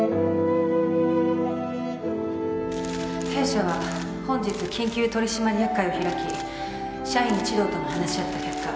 弊社は本日緊急取締役会を開き社員一同とも話し合った結果